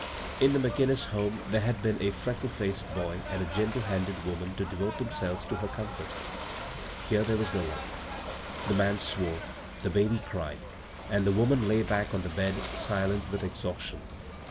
In the McGinnis home there liad been a frec^e faced boy and a gende handed woman to devote themselves to her comfort ; here there was no one. The man swore. The baby cried, and the woman lay back on the bed silent with exhaustion.